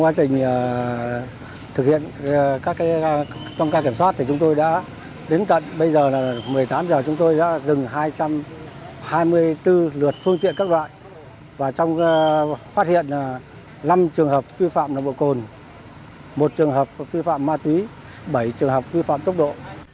phát hiện năm trường hợp vi phạm nồng độ cồn một trường hợp vi phạm ma túy bảy trường hợp vi phạm tốc độ